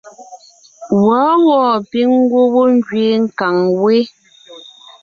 Wɔ̌wɔɔ píŋ ngwɔ́ wó ngẅeen nkàŋ wé.